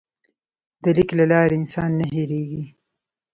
د لیک له لارې انسان نه هېرېږي.